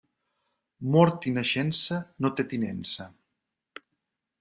Mort i naixença, no té tinença.